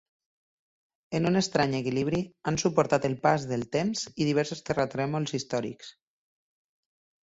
En un estrany equilibri, han suportat el pas del temps i diversos terratrèmols històrics.